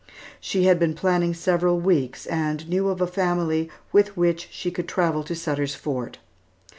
She had been planning several weeks, and knew of a family with which she could travel to Sutter's Fort.